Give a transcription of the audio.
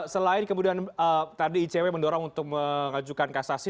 selain kemudian tadi icw mendorong untuk mengajukan kasasi